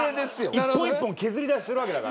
一本一本削り出しするわけだから。